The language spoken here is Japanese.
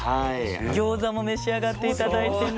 ギョーザも召し上がっていただいてね。